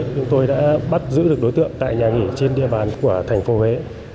chúng tôi đã bắt giữ được đối tượng tại nhà nghỉ trên địa bàn của thành phố huế